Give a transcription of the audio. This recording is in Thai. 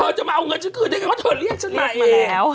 เธอจะมาเอาเงินชั้นคืนยังไงว่าเธอเรียกชั้นมาเอง